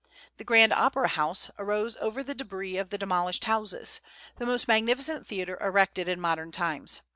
The Grand Opera House arose over the débris of the demolished houses, the most magnificent theatre erected in modern times.